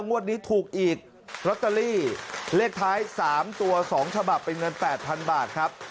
งวดนี้ถูกอีกลอตเตอรี่เลขท้าย๓ตัว๒ฉบับเป็นเงิน๘๐๐๐บาทครับ